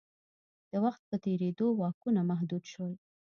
د وخت په تېرېدو واکونه محدود شول.